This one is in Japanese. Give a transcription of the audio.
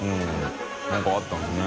覆鵑あったんですね。